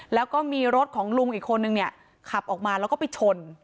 แล้วก็มีรถของลุงอีกคนนึงเนี่ยขับออกมาแล้วก็ไปชน